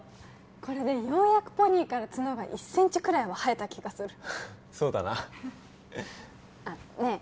これでようやくポニーから角が１センチくらいは生えた気がするそうだなねえ